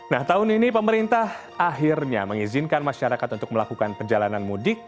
nah tahun ini pemerintah akhirnya mengizinkan masyarakat untuk melakukan perjalanan mudik